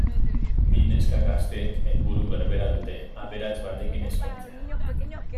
Bi neska gazteek helburu berbera dute: aberats batekin ezkontzea.